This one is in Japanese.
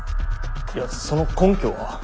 いやその根拠は？